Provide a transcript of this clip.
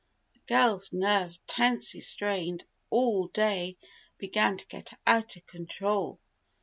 The girl's nerves, tensely strained all day, began to get out of control.